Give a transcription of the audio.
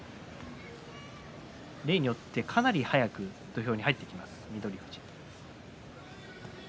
例によって、かなり早く土俵に入ってきます翠富士。